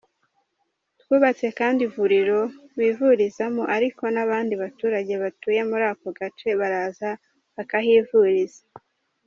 Twubatse kandi ivuriro bivurizamo ariko n’abandi baturage batuye muri ako gace baraza bakahivuriza.